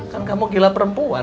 kan kamu gila perempuan